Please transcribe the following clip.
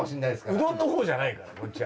うどんのほうじゃないからこっちは。